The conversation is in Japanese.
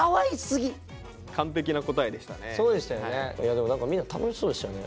でもみんな楽しそうでしたよね。